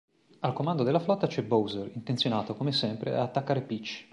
Al comando della flotta c'è Bowser, intenzionato come sempre a attaccare Peach.